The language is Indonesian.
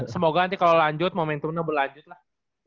semoga nanti kalau lanjut momentumnya berlanjut lah